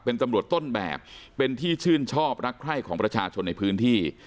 เป็นตำรวจต้นแบบเป็นที่ชื่นชอบรักใคร่ของประชาชนในพื้นที่